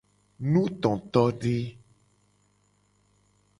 Nutotode.